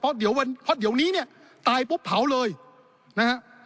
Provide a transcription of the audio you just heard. เพราะเดี๋ยววันเพราะเดี๋ยวนี้เนี่ยตายปุ๊บเผาเลยนะฮะ